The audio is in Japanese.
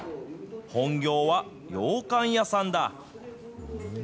本業はようかん屋さんだ。